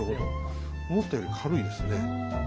思ったより軽いですね。